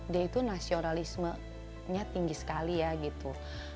dia itu nasionalismenya tinggi sekali ya gitu